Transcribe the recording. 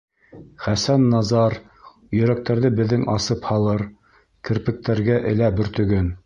Хәсән НАЗАР Йөрәктәрҙе беҙҙең асып һалыр, Керпектәргә элә бөртөгөн.